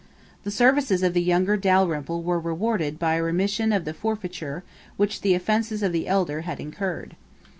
The services of the younger Dalrymple were rewarded by a remission of the forfeiture which the offences of the elder had incurred.